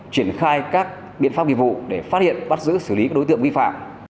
triển khai các biện pháp nghiệp vụ để phát hiện bắt giữ xử lý các đối tượng vi phạm